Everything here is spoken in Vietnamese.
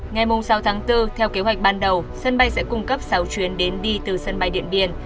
ngày sáu tháng bốn theo kế hoạch ban đầu sân bay sẽ cung cấp sáu chuyến đến đi từ sân bay điện biên